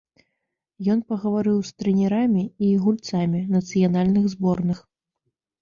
Ён пагаварыў з трэнерамі і гульцамі нацыянальных зборных.